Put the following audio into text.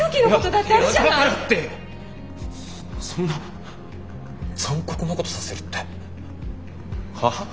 だからってそんな残酷なことさせるっては？